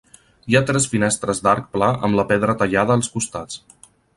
Hi ha tres finestres d'arc pla amb la pedra tallada als costats.